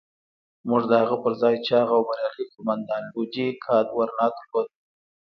موږ د هغه پر ځای چاغ او بریالی قوماندان لويجي کادورنا درلود.